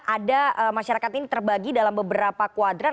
ada masyarakat ini terbagi dalam beberapa kuadran